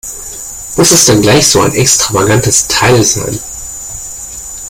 Muss es denn gleich so ein extravagantes Teil sein?